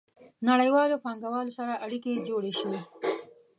نړیوالو پانګوالو سره اړیکې جوړې شي.